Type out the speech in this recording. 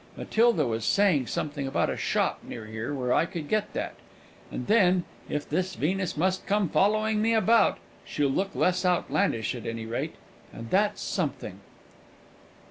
Matilda was saying something about a shop near here where I could get that. And then, if this Venus must come following me about, she'll look less outlandish at any rate, and that's something!"